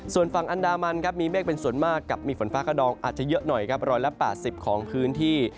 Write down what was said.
ส่วนฝั่งอันดามันครับมีเมฆเป็นส่วนมากกับมีฝนฟ้าขนองอาจจะเยอะหน่อยครับ๑๘๐ของพื้นที่